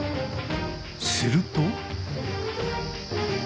すると。